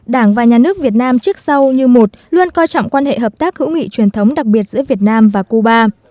đảng và nhà nước việt nam trước sau như một luôn coi trọng quan hệ hợp tác hữu nghị truyền thống đặc biệt giữa việt nam và cuba